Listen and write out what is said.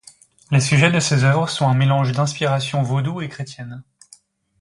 Les sujets de ses œuvres sont un mélange d'inspiration vaudou et chrétienne.